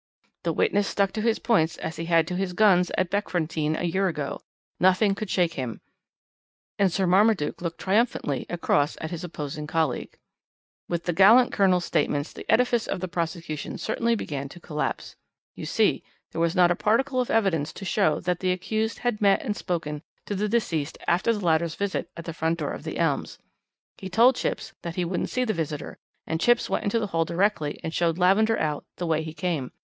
"The witness stuck to his points as he had to his guns at Beckfontein a year ago; nothing could shake him, and Sir Marmaduke looked triumphantly across at his opposing colleague. "With the gallant Colonel's statements the edifice of the prosecution certainly began to collapse. You see, there was not a particle of evidence to show that the accused had met and spoken to the deceased after the latter's visit at the front door of 'The Elms.' He told Chipps that he wouldn't see the visitor, and Chipps went into the hall directly and showed Lavender out the way he came.